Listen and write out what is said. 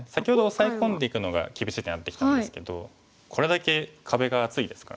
オサエ込んでいくのが厳しい手になってきたんですけどこれだけ壁が厚いですからね。